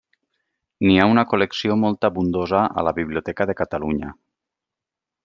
N'hi ha una col·lecció molt abundosa a la Biblioteca de Catalunya.